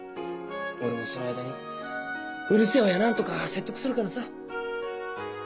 俺もその間にうるせえ親なんとか説得するからさ。